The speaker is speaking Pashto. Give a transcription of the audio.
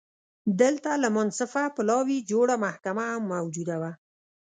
دلته له منصفه پلاوي جوړه محکمه هم موجوده وه